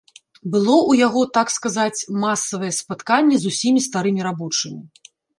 Было ў яго, так сказаць, масавае спатканне з усімі старымі рабочымі.